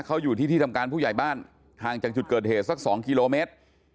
เขาอยู่ที่ที่ทำการผู้ใหญ่บ้านห่างจากจุดเกิดเหตุสัก๒กิโลเมตร